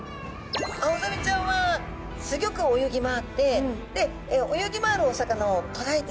アオザメちゃんはスギョく泳ぎ回ってで泳ぎ回るお魚を捕らえて食べます。